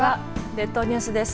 列島ニュースです。